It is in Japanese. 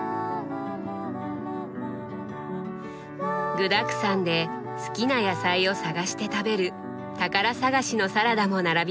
具だくさんで好きな野菜を探して食べる宝探しのサラダも並びました。